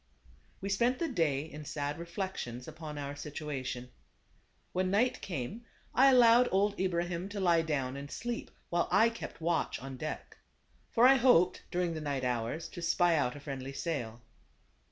We spent the day in sad reflections upon our situation. When night came on, I allowed old Ibrahim to lie down and sleep, while I kept watch on deck. For I hoped during the night hours to spy out a friendly sail.